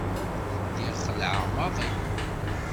Lliɣ xelεeɣ maḍi.